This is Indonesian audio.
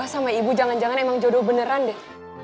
sama ibu jangan jangan emang jodoh beneran deh